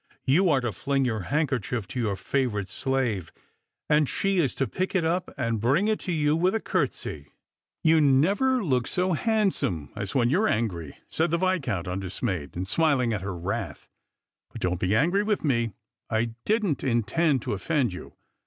You are to fling your handkerchief to your favourite slave, and she is to pick it up and bring it to you with a curtsey." " You never look so handsome as when you are angry," said the Viscount undismayed, and smiling at her wrath. " But don't be angry with me ; I didn't intend to offend you.